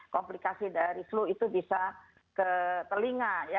komplikasi dari flu itu bisa ke telinga ya